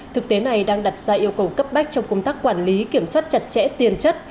thực tế này đang đặt ra yêu cầu cấp bách trong công tác quản lý kiểm soát chặt chẽ tiền chất